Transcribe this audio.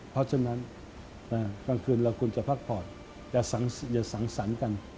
เพราะฉะนั้นกลางคืนเราควรจะพักผ่อนอย่าสังสรรค์กัน